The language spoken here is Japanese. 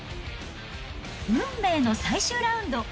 運命の最終ラウンド。